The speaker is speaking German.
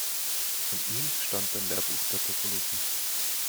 Von ihm stammt ein Lehrbuch der Topologie.